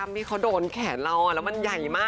เห็นไหมเห็นไหม